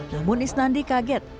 namun isnandi kaget